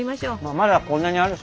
まだこんなにあるし。